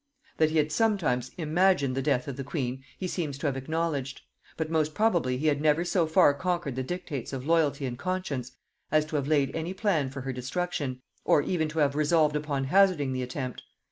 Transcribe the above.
That he had sometimes imagined the death of the queen, he seems to have acknowledged; but most probably he had never so far conquered the dictates of loyalty and conscience as to have laid any plan for her destruction, or even to have resolved upon hazarding the attempt.